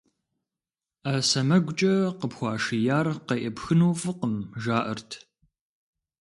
Ӏэ сэмэгукӀэ къыпхуашияр къеӀыпхыну фӀыкъым, жаӀэрт.